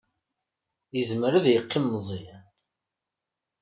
Izmer ad yeqqim Meẓyan.